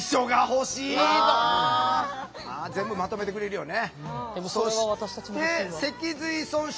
全部まとめてくれるよね。